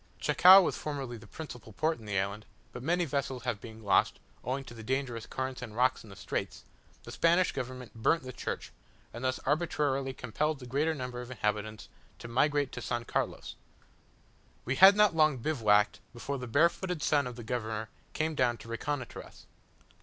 Chacao was formerly the principal port in the island; but many vessels having been lost, owing to the dangerous currents and rocks in the straits, the Spanish government burnt the church, and thus arbitrarily compelled the greater number of inhabitants to migrate to S. Carlos. We had not long bivouacked, before the barefooted son of the governor came down to reconnoitre us.